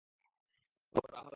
ওর আমাকে দরকার।